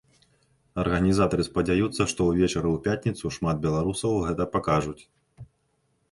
Арганізатары спадзяюцца, што ўвечары ў пятніцу шмат беларусаў гэта пакажуць.